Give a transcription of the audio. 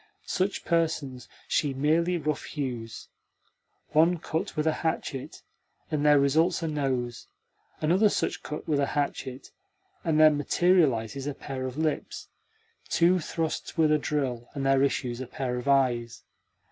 Such persons she merely roughhews. One cut with a hatchet, and there results a nose; another such cut with a hatchet, and there materialises a pair of lips; two thrusts with a drill, and there issues a pair of eyes.